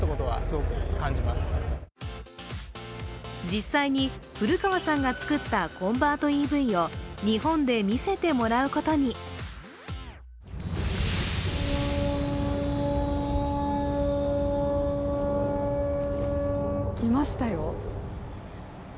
実際に古川さんが作ったコンバートＥＶを日本で見せてもらうことに。来ましたよ。